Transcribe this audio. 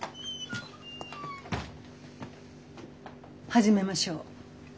始めましょう。